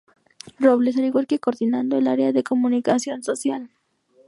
Robles, al igual que coordinando el área de comunicación social.